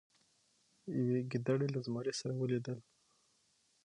یوې ګیدړې له زمري سره ولیدل.